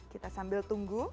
kita sambil tunggu